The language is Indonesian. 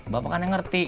bapak kan yang ngerti